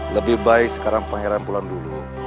lebih baik sekarang pangeran pulang dulu